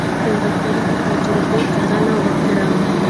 پېیر کوري د تجربې څارنه وکړه.